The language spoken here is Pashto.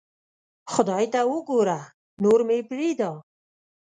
خدای ته اوګوره نو مې پریدا